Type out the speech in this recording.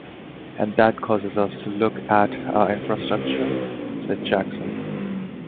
And that causes us to look at our infrastructure, said Jackson.